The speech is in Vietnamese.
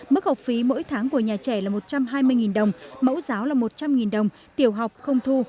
mức học phí mỗi tháng của nhà trẻ là một trăm hai mươi đồng mẫu giáo là một trăm linh đồng tiểu học không thu